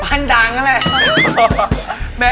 พันด่างก็แล้ว